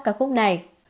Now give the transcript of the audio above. ca khúc này